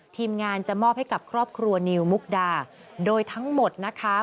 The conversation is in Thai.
ทีมงานจะมอบให้กับครอบครัวนิวมุกดาโดยทั้งหมดนะคะ